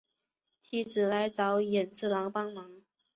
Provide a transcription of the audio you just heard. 妻子来找寅次郎帮忙。